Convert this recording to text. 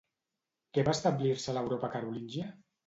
Què va establir-se a l'Europa carolíngia?